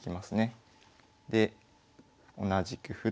で同じく歩と。